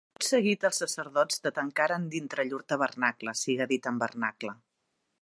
Tot seguit els sacerdots te tancaren dintre llur tabernacle, siga dit en vernacle.